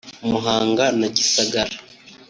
Muhanga na Gisagara